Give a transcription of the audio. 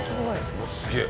うわっすげえ！